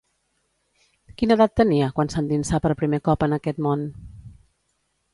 Quina edat tenia quan s'endinsà per primer cop en aquest món?